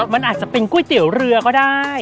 มันอาจจะเป็นก๋วยเตี๋ยวเรือก็ได้